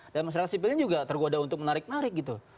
dan masyarakat sipilnya juga tergoda untuk menarik narik gitu